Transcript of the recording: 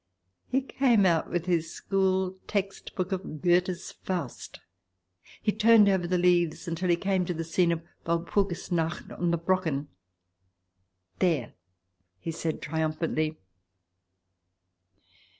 He came out with his school textbook of Goethe's " Faust "; he turned over the leaves until he came to the scene of the Walpurgisnacht on the Brocken. "There !" he said triumphantly.